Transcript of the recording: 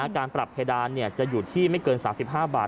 การปรับเพดานจะอยู่ที่ไม่เกิน๓๕บาท